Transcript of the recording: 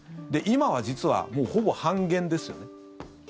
今は実は、ほぼ半減ですよね。